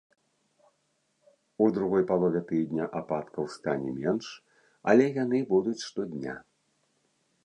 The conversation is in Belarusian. У другой палове тыдня ападкаў стане менш, але яны будуць штодня.